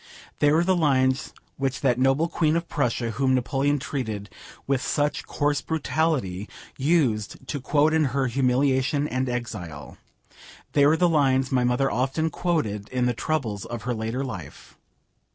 They were the lines which that noble Queen of Prussia, whom Napoleon treated with such coarse brutality, used to quote in her humiliation and exile; they were the lines my mother often quoted in the troubles of her later life.